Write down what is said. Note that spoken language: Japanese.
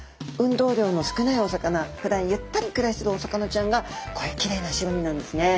ふだんゆったり暮らしてるお魚ちゃんがこういうきれいな白身なんですね。